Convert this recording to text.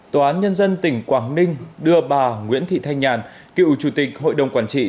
tòa án nhân dân tỉnh quảng ninh đưa bà nguyễn thị thanh nhàn cựu chủ tịch hội đồng quản trị